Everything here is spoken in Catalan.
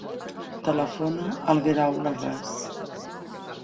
Telefona al Guerau Larraz.